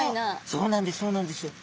そうなんですそうなんですよ。